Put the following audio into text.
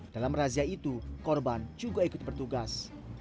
dalam razia itu korban juga ikut bertugas